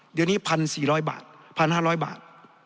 เดี๋ยวนี้๑๔๐๐บาท๑๕๐๐บาท